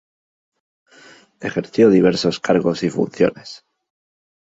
Ejerció diversos cargos y funciones.